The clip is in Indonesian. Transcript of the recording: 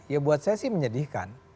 ya buat saya sih menyedihkan